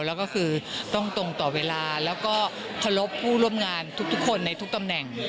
แล้วก็คือต้องตรงต่อเวลาแล้วก็เคารพผู้ร่วมงานทุกคนในทุกตำแหน่ง